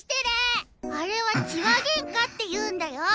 あれは痴話げんかって言うんだよ。